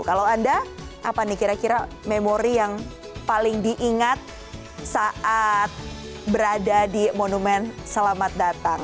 kalau anda apa nih kira kira memori yang paling diingat saat berada di monumen selamat datang